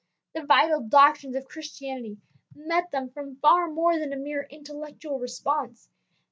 The vital doctrines of Christianity met from them far more than a mere intellectual response.